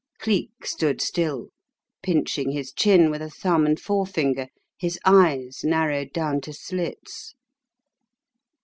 Cleek stood still, pinching his chin with a thumb and forefinger, his eyes narrowed down to slits.